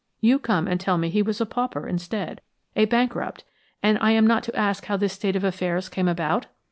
You come and tell me he was a pauper instead, a bankrupt; and I am not to ask how this state of affairs came about?